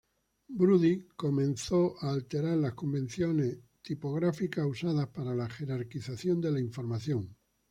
Brody comenzó a alterar las convenciones tipográficas usadas para la jerarquización de la información.